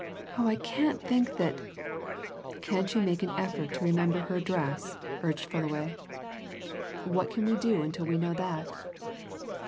Oh, I can't think that " "Can't you make an effort to remember her address?" urged Fullaway. "What can we do until we know that?"